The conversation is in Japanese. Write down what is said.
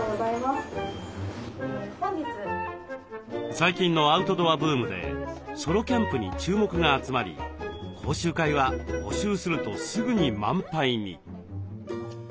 最近のアウトドアブームでソロキャンプに注目が集まり講習会は募集するとすぐに満杯に。